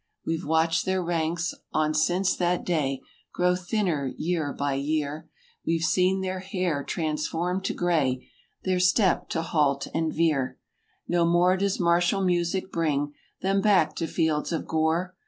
We've watched their ranks, on since that day Grow thinner, year by year; We've seen their hair transform to gray, Their step to halt and veer; No more does martial music bring Them back to fields of gore.